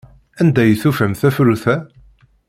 Anda ay tufam tafrut-a?